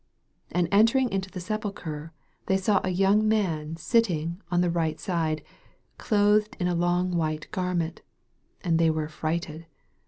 5 And entering into the sepulchre, hey saw a young man sitting on the right side, clothed in a long white garment ; and they were affrighted.